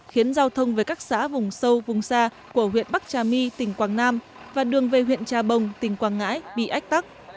khiến giao thông về các xã vùng sâu vùng xa của huyện bắc trà my tỉnh quảng nam và đường về huyện trà bồng tỉnh quảng ngãi bị ách tắc